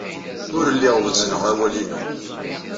Ur lliɣ wezzneɣ awal-inu.